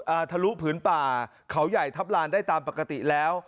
ทะลุผืนป่าเขาใหญ่ทัพลานได้ตามปกติแล้ว